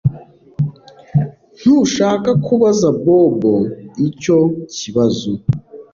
Ntushaka kubaza Bobo icyo kibazo.